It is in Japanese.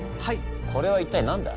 これは一体何だ？